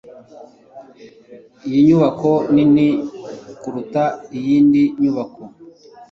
iyi nyubako nini kuruta iyindi nyubako